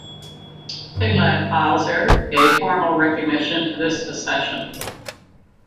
Tiglath-Pileser gave formal recognition to this accession.